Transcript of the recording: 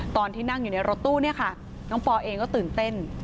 ตอนที่นั่งอยู่ในรถตู้เนี่ยค่ะน้องปอเองก็ตื่นเต้น